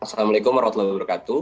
assalamualaikum warahmatullahi wabarakatuh